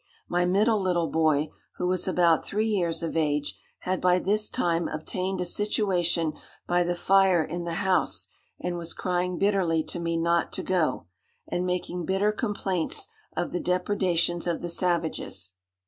My middle little boy, who was about three years of age, had by this time obtained a situation by the fire in the house, and was crying bitterly to me not to go, and making bitter complaints of the depredations of the savages.